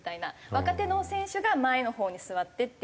若手の選手が前のほうに座ってっていう。